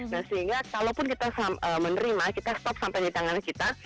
nah sehingga kalaupun kita menerima kita stop sampai di tangan kita